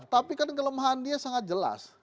tapi kan kelemahan dia sangat jelas